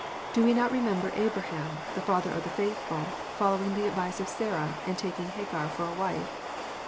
Do we not remember Abraham, the father of the faithful, following the advice of Sarah, and taking Hagar for a wife?